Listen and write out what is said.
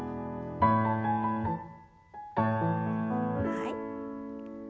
はい。